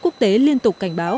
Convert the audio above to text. quốc tế liên tục cảnh báo